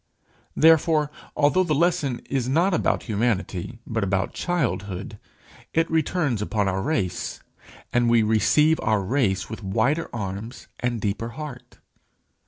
Therefore, although the lesson is not about humanity, but about childhood, it returns upon our race, and we receive our race with wider arms and deeper heart.